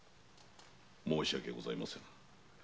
申し訳ございませぬ。